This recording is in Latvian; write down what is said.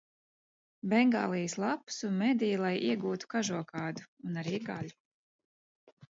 Bengālijas lapsu medī, lai iegūtu kažokādu un arī gaļu.